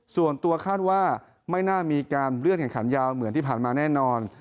ส่วนตัวคาดว่าไม่น่ามีการเลื่อนแข่งขันยาวเหมือนที่ผ่านมาแน่นอน